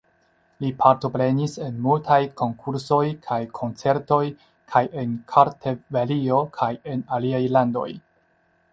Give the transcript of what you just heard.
Li partoprenis en multaj konkursoj kaj koncertoj kaj en Kartvelio kaj en aliaj landoj.